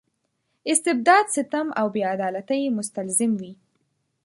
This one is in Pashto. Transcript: استبداد ستم او بې عدالتۍ مستلزم وي.